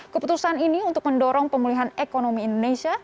keputusan ini untuk mendorong pemulihan ekonomi indonesia